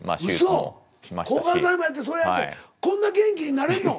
抗がん剤もやってそうやってこんな元気になれんの？